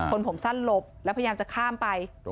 คนผมสั้นหลบแล้วพยายามจะข้ามไป